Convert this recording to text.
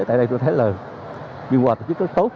tại đây tôi thấy là biên hòa tổ chức rất tốt